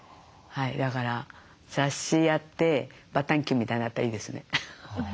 だから雑誌やってバタンキューみたいになったらいいですね。